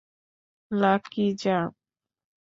Lucky, যা।